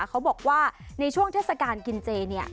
เขาบอกว่าในช่วงเทศกาลกินเจเนี่ย